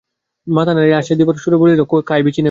মাথা নাড়িয়া আশ্বাস দিবার সুরে বলিল, কাইবিচি নেবে?